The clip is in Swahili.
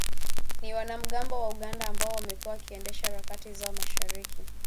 ni wanamgambo wa Uganda ambao wamekuwa wakiendesha harakati zao masharikI